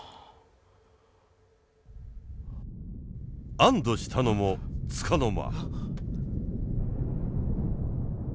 安堵したのもつかの間。